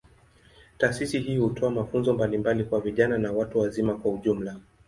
Taasisi hii hutoa mafunzo mbalimbali kwa vijana na watu wazima kwa ujumla.